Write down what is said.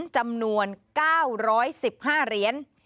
จำนวน๙๑๕เหรียญ